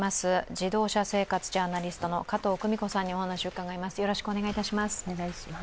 自動車生活ジャーナリストの加藤久美子さんにお話を伺います。